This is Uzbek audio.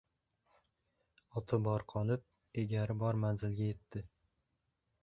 • Oti bor qolib, egari bor manzilga yetdi.